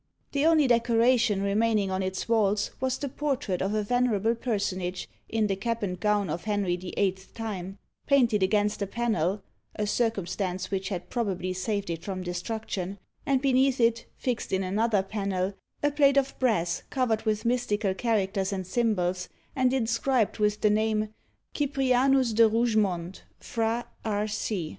The only decoration remaining on its walls was the portrait of a venerable personage in the cap and gown of Henry the Eighth's time, painted against a panel a circumstance which had probably saved it from destruction and beneath it, fixed in another panel, a plate of brass, covered with mystical characters and symbols, and inscribed with the name "Cyprianus de Rougemont, Fra. R.C."